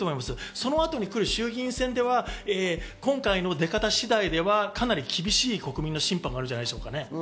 そのあとにくる衆議院選では今回の出方次第ではかなり厳しい国民の審判があるんじゃないでしょうか。